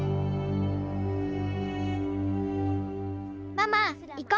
ママ行こ。